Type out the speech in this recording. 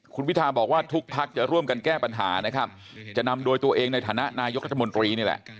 คุณพิทาบอกว่าทุกพักจะร่วมกันแก้ปัญหานะครับจะนำโดยตัวเองในฐานะนายกรัฐมนตรีนี่แหละ